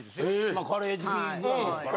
まあカレー好きぐらいですから。